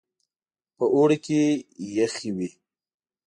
په اوړي کې يخې وې.